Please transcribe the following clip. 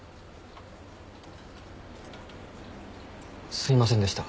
すいませんでした。